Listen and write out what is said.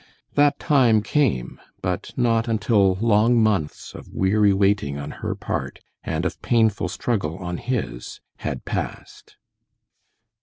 That time came, but not until long months of weary waiting on her part, and of painful struggle on his, had passed.